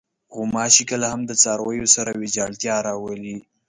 غوماشې کله هم د څارویو سره ویجاړتیا راولي.